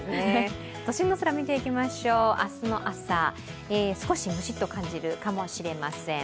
都心の空見ていきましょう、明日の朝、少しムシッと感じるかもしれません。